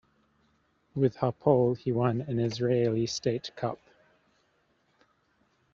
With Hapoel he won an Israeli State Cup.